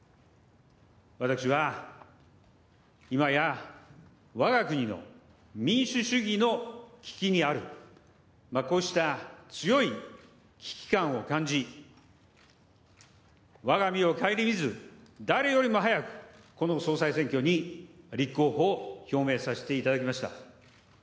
私は、今や、わが国の民主主義の危機にある、こうした強い危機感を感じ、わが身を顧みず、誰よりも早くこの総裁選挙に立候補を表明させていただきました。